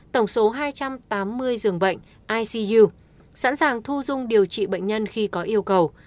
tổng số hai trăm tám mươi dường bệnh icu sẵn sàng thu dung điều trị bệnh nhân khi có yêu cầu